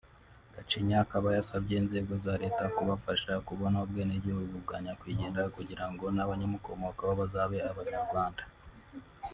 Gacinya akaba yasabye inzego za Leta kubafasha kubona ubwenegihugu bwa Nyakwigendera kugira ngo n'abamukomokaho babe abanyarwanda